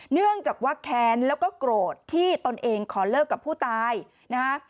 เนื่องจากว่าแค้นแล้วก็โกรธที่ตนเองขอเลิกกับผู้ตายนะฮะ